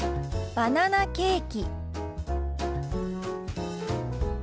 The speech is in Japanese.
「バナナケーキ」。